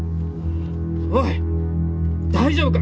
おい大丈夫か？